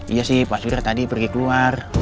iya sih pak surya tadi pergi keluar